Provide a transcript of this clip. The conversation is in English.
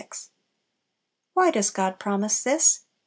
Why does God promise this?